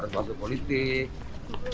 tidak harus masuk politik